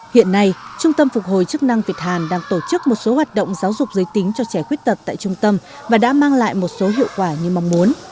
hiện nay trung tâm phục hồi chức năng việt hàn đang tổ chức một số hoạt động giáo dục giới tính cho trẻ khuyết tật tại trung tâm và đã mang lại một số hiệu quả như mong muốn